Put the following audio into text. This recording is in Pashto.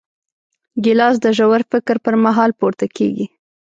ګیلاس د ژور فکر پر مهال پورته کېږي.